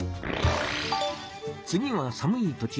次はさむい土地